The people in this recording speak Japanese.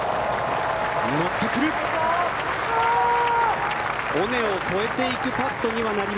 持ってくる！